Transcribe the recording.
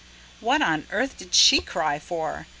What on earth did she cry for?